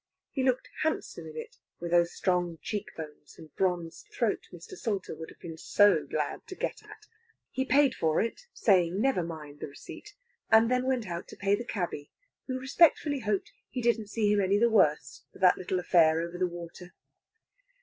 He looked handsome in it, with those strong cheek bones and bronzed throat Mr. Salter would have been so glad to get at. He paid for it, saying never mind the receipt, and then went out to pay the cabby, who respectfully hoped he didn't see him any the worse for that little affair over the water.